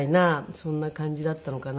そんな感じだったのかなと。